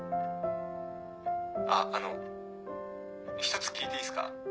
あっあの１つ聞いていいっすか？